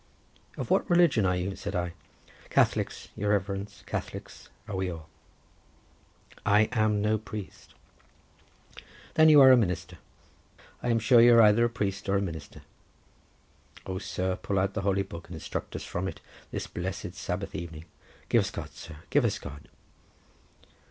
"Of what religion are you?" said I. "Catholics, your Reverence, Catholics are we all." "I am no priest." "Then you are a minister; I am sure you are either a priest or a minister. O sir, pull out the Holy Book, and instruct us from it this blessed Sabbath evening. Give us God, sir, give us God!"